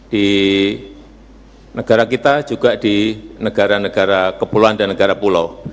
di negara kita juga di negara negara kepulauan dan negara pulau